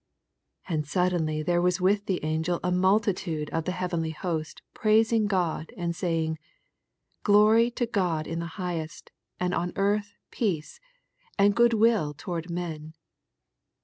18 And suddenly there was with the angel a multitude of the heavenly host praising God, and Ba;^ng, 14 Glory to God in the mghest, and on earth peace, good will toward men.